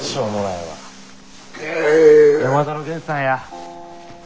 山田のゲンさんや。